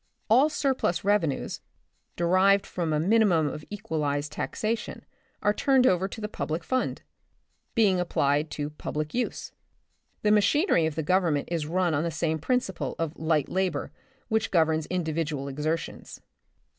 All surplus revenues, derived from a minimum of equalized taxation are turned over to the public fund, being applied to public use. The machinery of the Government is run on the same principle of light labor which governs individual exertions.